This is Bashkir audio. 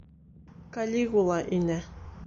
Калигула инә.